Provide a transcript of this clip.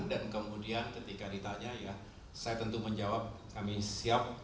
dan kemudian ketika ditanya saya tentu menjawab kami siap